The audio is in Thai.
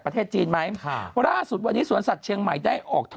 ประเทศจีนไหมค่ะล่าสุดวันนี้สวนสัตว์เชียงใหม่ได้ออก